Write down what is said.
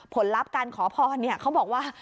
ผลลัพธ์การขอพรเขาบอกว่า